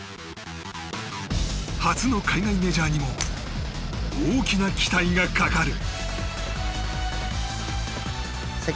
初の海外メジャーにも大きな期待がかかる。